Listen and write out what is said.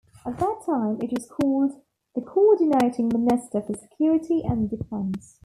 At that time, it was called the Co-ordinating Minister for Security and Defence.